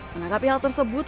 menangkap hal tersebut